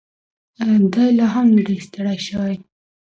دی لا هم نه دی ستړی شوی.